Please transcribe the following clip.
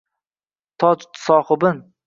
Toj sohibin